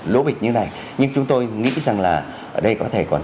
lỗ bịch như này nhưng chúng tôi nghĩ rằng là ở đây có thể còn